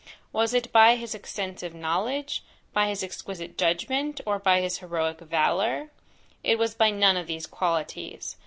Was it by his extensive knowledge, by his exquisite judgment, or by his heroic valour? It was by none of these qualities.